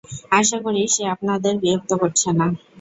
আশা করি, সে আপনাদের বিরক্ত করছে না।